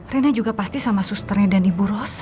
rena juga pasti sama susternya dan ibu rosa